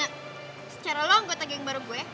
alina secara lo nggak mau tagi yang baru gue